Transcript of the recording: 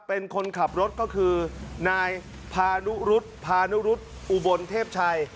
เป็นคนขับรถก็คือนายพานุรุษพานุรุษอุบลเทพชัย